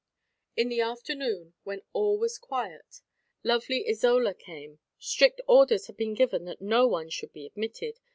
In the afternoon, when all was quiet, lovely Isola came. Strict orders had been given that no one should be admitted.